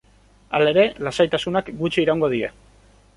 Halere, lasaitasunak gutxi iraungo die.